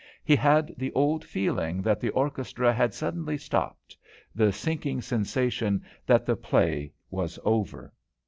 He had the old feeling that the orchestra had suddenly stopped, the sinking sensation that the play was over.